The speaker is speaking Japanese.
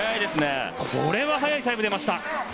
これは早いタイムが出ました。